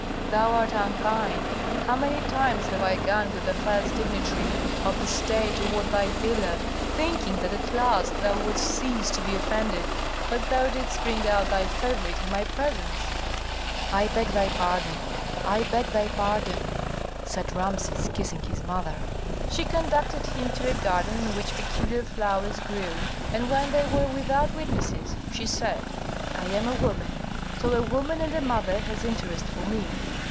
Thou art unkind. How many times have I gone with the first dignitary of the state toward thy villa, thinking that at last thou wouldst cease to be offended, but thou didst bring out thy favorite in my presence." "I beg thy pardon I beg thy pardon!" said Rameses, kissing his mother. She conducted him to a garden in which peculiar flowers grew, and when they were without witnesses, she said, "I am a woman, so a woman and a mother has interest for me.